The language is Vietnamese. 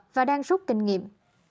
và đang rút kinh nghiệm